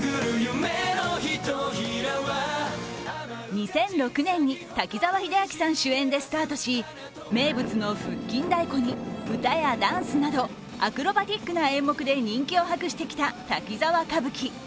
２００６年に滝沢秀明さん主演でスタートし名物の腹筋太鼓に歌やダンスなどアクロバティックな演目で人気を博してきた「滝沢歌舞伎」。